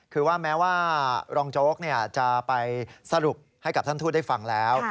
คือว่าแม้ว่ารองโจ๊กจะไปสรุปให้กับท่านทูตได้ฟังแล้ว